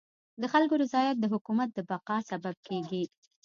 د خلکو رضایت د حکومت د بقا سبب کيږي.